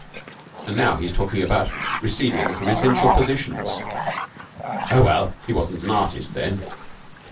And now he's talking about receding from essential positions! Oh, well, he wasn't an artist then!'